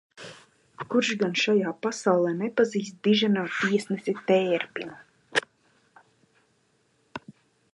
Kurš gan šajā pasaulē nepazīst diženo tiesnesi Tērpinu?